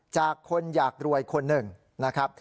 จากคนอยากรวยคนหนึ่งนะครับ